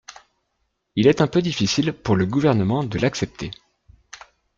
Il est un peu difficile pour le Gouvernement de l’accepter.